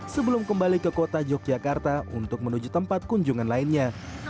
sebelum kembali ke kota yogyakarta untuk menuju tempat kunjungan lainnya